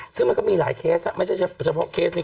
ซึ่งมันก็มีหลายเคสไม่ใช่เฉพาะเคสนี้